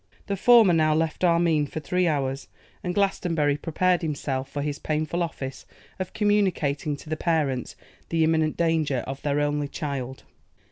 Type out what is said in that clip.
The former now left Armine for three hours, and Glastonbury prepared himself for his painful office of communicating to the parents the imminent danger of their only child.